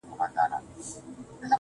o ستا د پښې پايزيب مي تخنوي گلي.